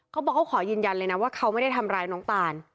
เขาบอกเขาขอยืนยันเลยนะว่าเขาไม่ได้ทำร้ายน้องตาน